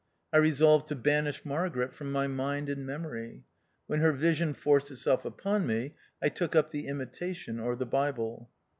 I resolved to banish Margaret from my mind and memory ; when her vision forced itself upon me, I took up the Imitation or the Bible.